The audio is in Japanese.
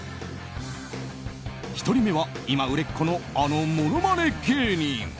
１人目は今、売れっ子のあのものまね芸人。